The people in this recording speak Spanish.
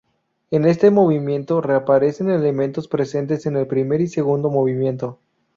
En este movimiento reaparecen elementos presentes en el primer y segundo movimiento.